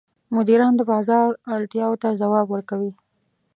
مدیران د بازار اړتیاوو ته ځواب ورکوي.